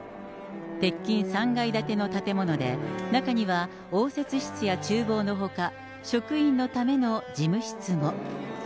鉄筋３階建ての建物で、中には応接室やちゅう房のほか、職員のための事務室も。